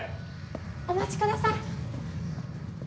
お待ちください！